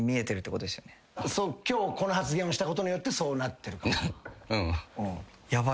今日この発言をしたことによってそうなってるかも。